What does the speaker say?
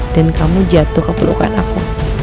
dan kamu jatuh keperluan aku